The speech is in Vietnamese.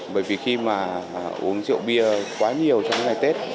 bởi vì khi mà uống rượu bia quá nhiều trong những ngày tết